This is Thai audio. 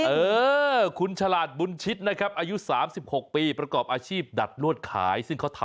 เออคุณฉลาดบุญชิตนะครับอายุ๓๖ปีประกอบอาชีพดัดลวดขายซึ่งเขาทำ